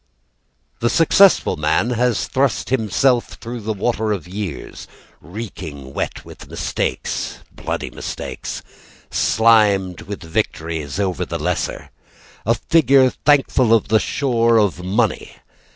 The successful man has thrust himself Through the water of the years, Reeking wet with mistakes, Bloody mistakes; Slimed with victories over the lesser, A figure thankful on the shore of money.